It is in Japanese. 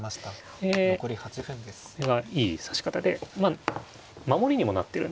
えこれがいい指し方で守りにもなってるんですね。